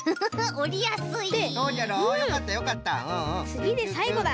つぎでさいごだ。